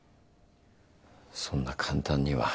そんな簡単には。